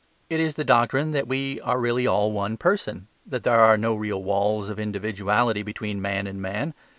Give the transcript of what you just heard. It is the doctrine that we are really all one person; that there are no real walls of individuality between man and man.